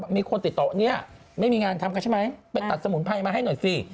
มีคนติดต่อเนี่ยไม่มีงานทำกันใช่ไหมไปตัดสมุนไพรมาให้หน่อยสิ